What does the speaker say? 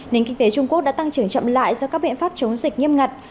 nền kinh tế trung quốc đã tăng trưởng chậm lại do các biện pháp chống dịch nghiêm ngặt